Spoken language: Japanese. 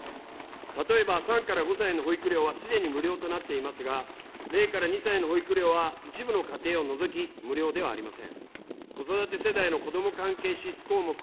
例えば３から５歳の保育料はすでに無料となっていますが、０から２歳の保育料は一部のかていを除き無料ではありません。